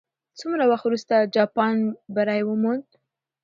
څومره وخت وروسته جاپان بری وموند؟